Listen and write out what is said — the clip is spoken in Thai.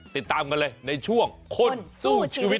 ติดตามกันเลยในช่วงคนสู้ชีวิต